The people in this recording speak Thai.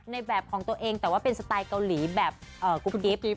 ในแบบของตัวเองแต่ว่าเป็นสไตล์เกาหลีแบบกุ๊บกิ๊บ